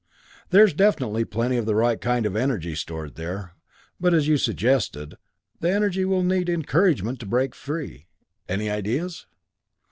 "There's definitely plenty of the right kind of energy stored there but as you suggested, the energy will need encouragement to break free. Any ideas?"